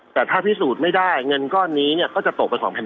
แต่ถ้าพิสูจน์ไม่ได้เงินก้อนนี้ก็จะตกไป๒๐๐